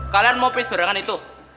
kalian mau pis barengan itu